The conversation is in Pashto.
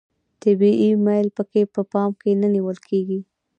طبیعي میل پکې په پام کې نه نیول کیږي.